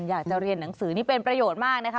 อยากจะเรียนหนังสือนี่เป็นประโยชน์มากนะคะ